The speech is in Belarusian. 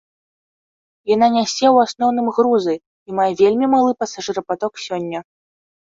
Яна нясе ў асноўным грузы, і мае вельмі малы пасажырапаток сёння.